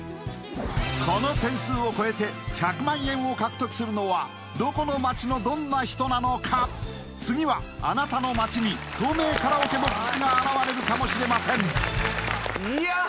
この点数を超えて１００万円を獲得するのはどこの街のどんな人なのか次はあなたの街に透明カラオケＢＯＸが現れるかもしれませんいやあ